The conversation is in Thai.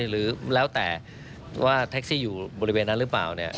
หรือแล้วแต่ว่าแท็กซี่อยู่บริเวณนั้นหรือเปล่าเนี่ย